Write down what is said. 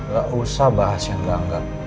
gak usah bahas yang gak anggap